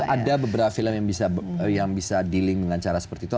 ada beberapa film yang bisa dealing dengan cara seperti itu